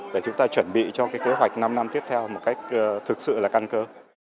để chúng ta chuẩn bị cho kế hoạch năm năm tiếp theo một cách thực sự là căn cơ